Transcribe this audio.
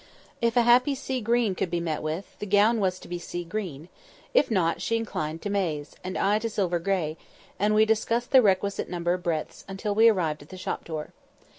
If a happy sea green could be met with, the gown was to be sea green: if not, she inclined to maize, and I to silver gray; and we discussed the requisite number of breadths until we arrived at the shop door.